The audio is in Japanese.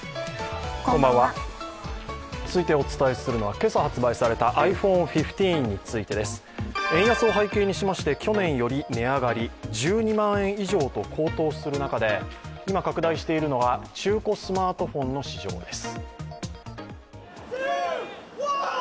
続いてお伝えするのは、今朝発売されたｉＰｈｏｎｅ１５についてです。円安を背景にしまして、去年より値上がり１２万円以上と高騰する中で今、拡大しているのが中古スマートフォンの市場です。